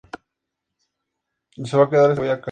Bishop Mus., Honolulu.